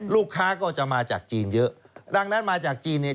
ลูกค้าก็จะมาจากจีนเยอะดังนั้นมาจากจีนเนี่ย